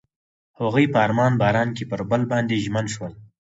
هغوی په آرام باران کې پر بل باندې ژمن شول.